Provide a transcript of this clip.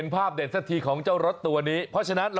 พอฉะนั้น